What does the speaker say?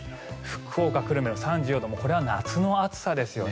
福岡・久留米は３４度これは夏の暑さですよね。